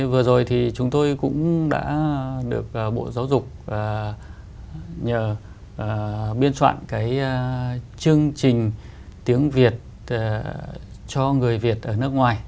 vừa rồi thì chúng tôi cũng đã được bộ giáo dục nhờ biên soạn cái chương trình tiếng việt cho người việt ở nước ngoài